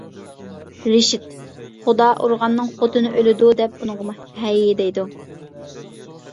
رىشىت:-خۇدا ئۇرغاننىڭ خوتۇنى ئۆلىدۇ دەپ ئۇنىڭغىمۇ. ھەي. دەيدۇ.